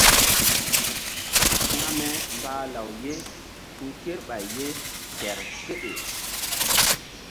Hekme mbah law ye hi̧ kerɓay ye kehr seɗe.